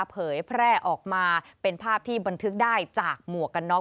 เผยแพร่ออกมาเป็นภาพที่บันทึกได้จากหมวกกันน็อก